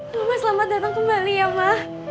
mama selamat datang kembali ya ma